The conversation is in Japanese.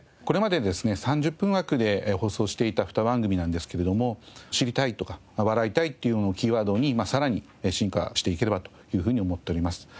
これまでですね３０分枠で放送していた２番組なんですけれども知りたいとか笑いたいっていうものをキーワードにさらに進化していければというふうに思っております。